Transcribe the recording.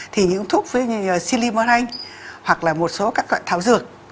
thì những thuốc như silymarin hoặc là một số các loại tháo dược